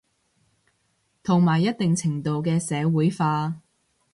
同埋一定程度嘅社會化